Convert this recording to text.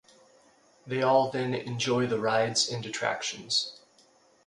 They all then enjoy the rides and attractions.